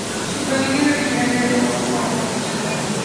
Su familia era originaria de Tabasco, Guanajuato y Chihuahua.